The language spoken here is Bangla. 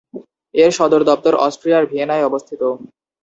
এর সদর দপ্তর অস্ট্রিয়ার ভিয়েনায় অবস্থিত।